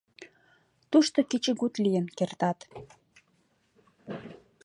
Тушто кечыгут лийын кертат.